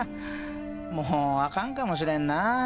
もうあかんかもしれんな。